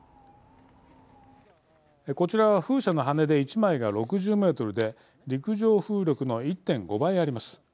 こちらは風車の羽根で１枚が６０ｍで、陸上風力の１．５倍あります。